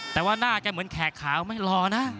แต่ว่าน่าจะเหมือนแขกขาวไม่รอนะ